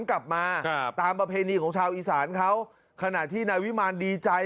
กลับมาครับตามประเพณีของชาวอีสานเขาขณะที่นายวิมารดีใจ